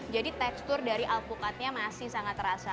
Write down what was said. jadi tekstur dari alpukatnya masih sangat terasa